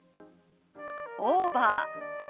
「オーバー」。